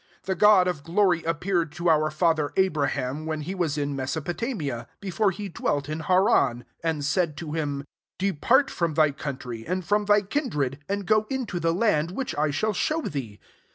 The God of glory appea^red to our father Abraham, when he was in Mesopotamia, before he dwelt in Haran ,* 3 and said to him, • Depart from thy coun try, and from thy kindred, and go into the land which I shall show thee.'